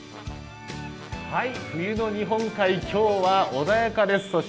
冬の日本海、きょうは穏やかです。